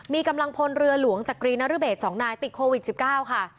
มีกำลังพลเรือหลวงจักรีนรเบศ๒นายติดโควิด๑๙ค่ะ